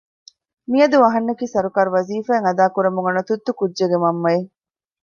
މިއަދު އަހަންނަކީ ސަރުކާރު ވަޒިފާ އެއް އަދާ ކުރަމުން އަންނަ ތުއްތު ކުއްޖެއްގެ މަންމައެއް